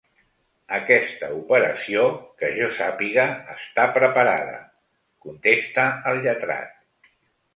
Aquesta operació, que jo sàpiga, està preparada, contesta el lletrat.